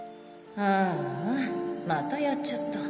ああまたやっちゃった。